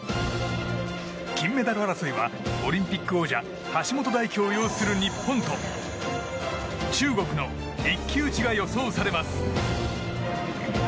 金メダル争いはオリンピック王者橋本大輝を擁する日本と中国の一騎打ちが予想されます。